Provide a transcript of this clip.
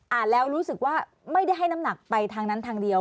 แล้วรู้สึกว่าไม่ได้ให้น้ำหนักไปทางนั้นทางเดียว